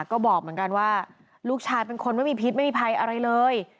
ก็บอกเหมือนกันว่าลูกชายเป็นคนไม่มีพิษไม่มีภัยอะไรเลย